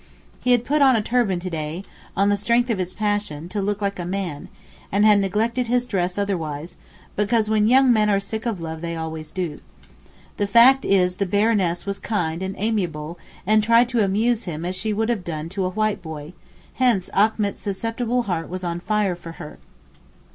He had put on a turban to day, on the strength of his passion, to look like a man, and had neglected his dress otherwise because 'when young men are sick of love they always do so.' The fact is the Baroness was kind and amiable and tried to amuse him as she would have done to a white boy, hence Achmet's susceptible heart was 'on fire for her.